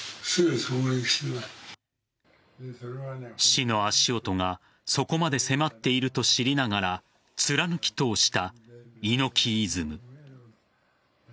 死の足音がそこまで迫っていると知りながら貫き通した猪木イズム。